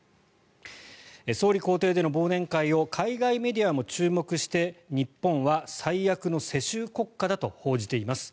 総理公邸での忘年会を海外メディアも注目して日本は最悪の世襲国家だと報じています。